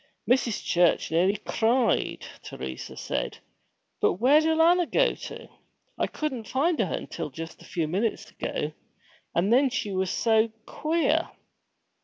'Mrs. Church nearly cried,' Teresa said. 'But where'd Alanna go to? I couldn't find her until just a few minutes ago, and then she was so queer!'